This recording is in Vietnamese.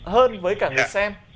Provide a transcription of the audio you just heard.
hơn với cả người xem